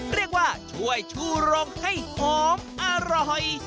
เรียกว่าช่วยชูรงให้หอมอร่อย